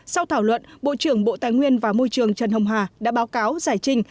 sau thảo luận bộ trưởng bộ tài nguyên và môi trường trần hồng hà đã báo cáo giải trình